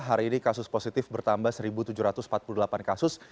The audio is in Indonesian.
hari ini kasus positif bertambah satu tujuh ratus empat puluh delapan kasus